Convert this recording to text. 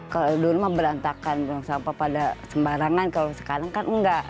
kalau dulu mah berantakan buang sampah pada sembarangan kalau sekarang kan enggak